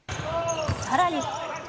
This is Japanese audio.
さらに。